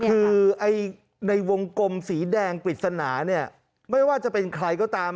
คือในวงกลมสีแดงปริศนาเนี่ยไม่ว่าจะเป็นใครก็ตาม